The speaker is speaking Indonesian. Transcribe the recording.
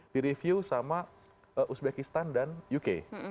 di review sama uzbekistan dan uk